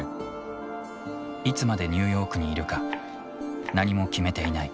いつまでニューヨークにいるか何も決めていない。